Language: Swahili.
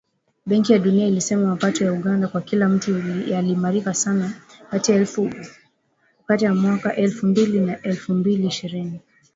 Benki ya Dunia ilisema mapato ya Uganda kwa kila mtu yaliimarika sana kati ya mwaka elfu mbili na elfu mbili ishirini.